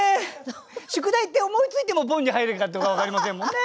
「宿題」って思いついてもボンに入れるかって分かりませんもんね。